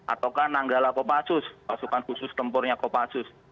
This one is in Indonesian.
ataukah nanggala kopassus pasukan khusus tempurnya kopassus